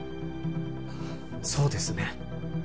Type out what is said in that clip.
そうですね